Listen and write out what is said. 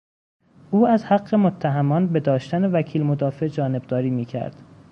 او از حق متهمان به داشتن وکیل مدافع جانبداری میکرد.